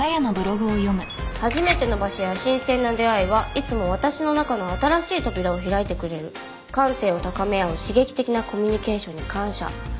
「初めての場所や新鮮な出会いはいつも私の中の新しい扉を開いてくれる」「感性を高め合う刺激的なコミュニケーションに感謝」